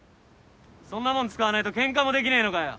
そんなもん使わねえとケンカもできねえのかよ。